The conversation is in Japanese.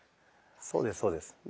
そうですそうです。